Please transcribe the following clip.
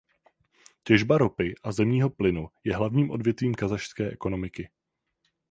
Těžba ropy a zemního plynu je hlavním odvětvím kazašské ekonomiky.